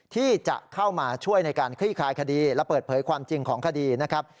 ที่จะเข้ามาช่วยในการคลี่คลายคดีและเปิดเผยความจริงของคดีนะครับ